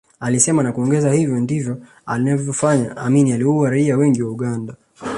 Alisema na kuongeza hivyo ndivyo alivyofanya Amin aliwaua raia wengi wa Uganda